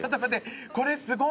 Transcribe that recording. これすごい！